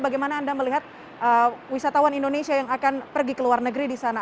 bagaimana anda melihat wisatawan indonesia yang akan pergi ke luar negeri di sana